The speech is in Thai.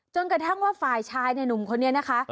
จนกระทั่งว่าฝ่ายชายในหนุ่มคนนี้นะคะ